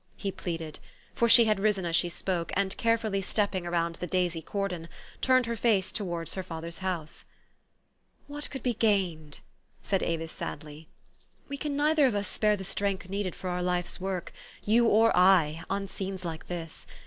" he pleaded ; for she had risen as she spoke, and, carefully stepping around the daisy cordon, turned her face towards her father's house. "What could be gained?" said Avis sadly. " We can neither of us spare the strength needed for our life's work you or I on scenes like this.